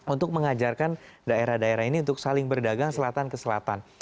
untuk mengajarkan daerah daerah ini untuk saling berdagang selatan ke selatan